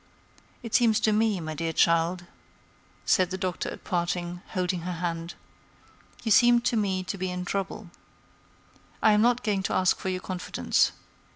"It seems to me, my dear child," said the Doctor at parting, holding her hand, "you seem to me to be in trouble. I am not going to ask for your confidence.